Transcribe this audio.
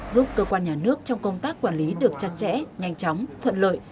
giúp cơ quan nhà nước trong công tác quản lý được chặt chẽ nhanh chóng thuận lợi